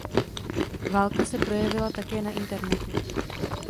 Válka se projevila také na internetu.